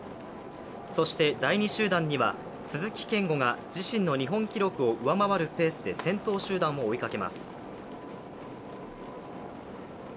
そして、第２集団には鈴木健吾が自身の日本記録を上回るペースで先頭集団を追いかけます。